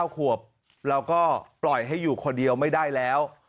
๙ขวบเราก็ปล่อยให้อยู่คนเดียวไม่ได้แล้ว